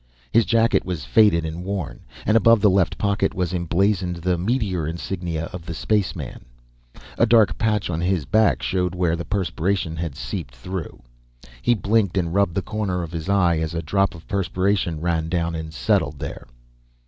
His jacket was faded and worn, and above the left pocket was emblazoned the meteor insignia of the spaceman. A dark patch on his back showed where the perspiration had seeped through. He blinked and rubbed the corner of his eye as a drop of perspiration ran down and settled there.